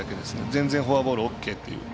全然、フォアボールはＯＫっていう。